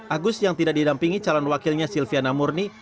agus yang tidak didampingi calon wakilnya silviana murni